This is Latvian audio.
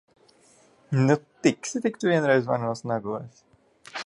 Nu, tiksi tik tu vienreiz manos nagos!